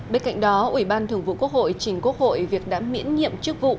bên cạnh đó ủy ban thường vụ quốc hội trình quốc hội việc đã miễn nhiệm chức vụ